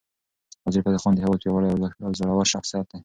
وزیرفتح خان د هیواد پیاوړی او زړور شخصیت دی.